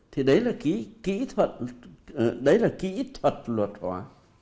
thì đấy là kỹ thuật luật hóa